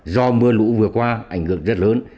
do mưa lũ vừa qua ảnh hưởng rất lớn